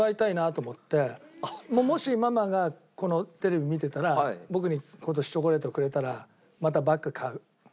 もしママがこのテレビ見てたら僕に今年チョコレートをくれたらまたバッグ買う。